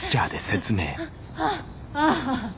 ああ。